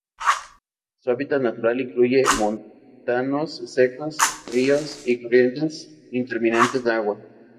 Su hábitat natural incluye montanos secos, ríos, y corrientes intermitentes de agua.